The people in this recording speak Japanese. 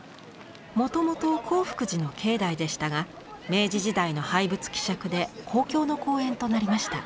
もともと興福寺の境内でしたが明治時代の廃仏毀釈で公共の公園となりました。